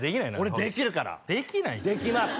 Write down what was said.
俺できるからできないってできます